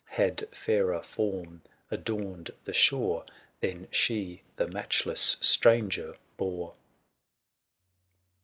Had fairer form adorned the shore Than she, the matchless stranger, bore.